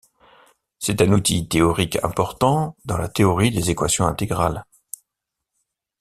C'est un outil théorique important dans la théorie des équations intégrales.